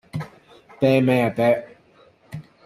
啤咩呀啤